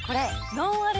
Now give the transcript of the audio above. ノンアル⁉